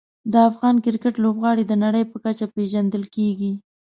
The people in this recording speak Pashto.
د افغان کرکټ لوبغاړي د نړۍ په کچه پېژندل کېږي.